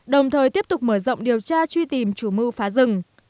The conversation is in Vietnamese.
đồng thời tiếp tục mở rộng điều tra truy tìm chủ mưu phá rừng